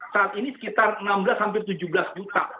saat ini sekitar enam belas hampir tujuh belas juta